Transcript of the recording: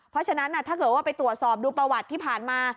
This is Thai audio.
เพราะฉะนั้นถ้าเกิดว่าไปตรวจสอบดูประวัติที่ผ่านมา